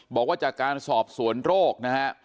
บอกว่าจากการสอบสวนโรคนะฮะ